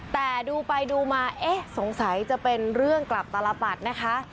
แต่ดูไปดูมาสงสัยจะเป็นเรื่องกลับตลาดบัตรนะคะ